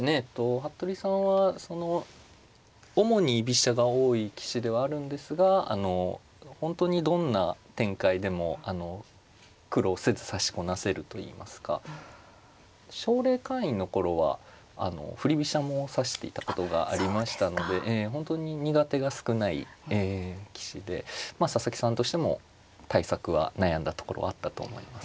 服部さんはその主に居飛車が多い棋士ではあるんですが本当にどんな展開でも苦労せず指しこなせるといいますか奨励会員の頃は振り飛車も指していたことがありましたので本当に苦手が少ない棋士で佐々木さんとしても対策は悩んだところはあったと思います。